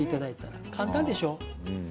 簡単でしょ？